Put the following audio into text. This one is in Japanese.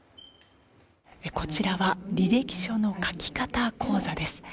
こちらは履歴書の書き方講座です。